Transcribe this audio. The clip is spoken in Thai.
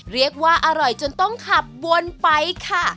เรียกว่าอร่อยจนต้องขับวนไปค่ะ